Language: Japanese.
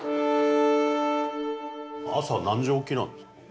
朝何時起きなんですか？